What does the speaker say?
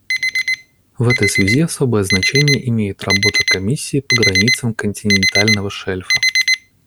В этой связи особое значение имеет работа Комиссии по границам континентального шельфа.